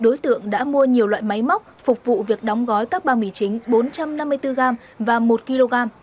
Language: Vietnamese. đối tượng đã mua nhiều loại máy móc phục vụ việc đóng gói các bao mì chính bốn trăm năm mươi bốn gram và một kg